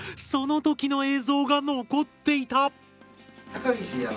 その時の映像が残っていた！